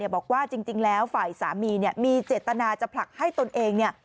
บอกว่าจริงแล้วฝ่ายสามีมีเจตนาจะผลักให้ตนเอง